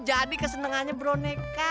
jadi kesenengannya boneka